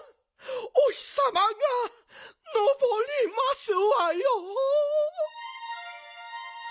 お日さまがのぼりますわよ。